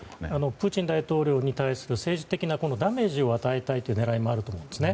プーチン大統領に対する政治的なダメージを与えたいという狙いもあると思うんですね。